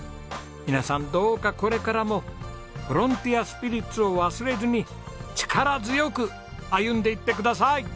皆さんどうかこれからもフロンティアスピリッツを忘れずに力強く歩んでいってください！